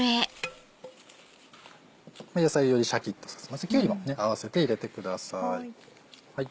野菜をよりシャキっとさせますきゅうりも併せて入れてください。